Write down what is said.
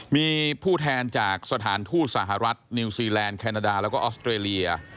มีผู้แทนจากสถานทูตสหรัฐนิวซีแลนด์แคนาดาแล้วก็ออสเตรเลีย